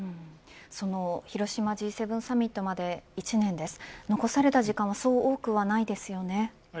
その広島Ｇ７サミットまで１年です、残された時間はそう多くはないですよね。